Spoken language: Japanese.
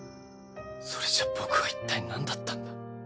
それじゃ僕は一体なんだったんだ。